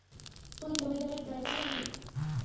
তুই জমিদারের ড্রাইভার হবি?